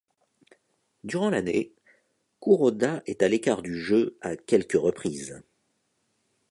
Durant l'année, Kuroda est à l'écart du jeu à quelques reprises.